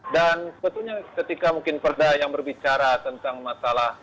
dan sebetulnya ketika mungkin perda yang berbicara tentang masalah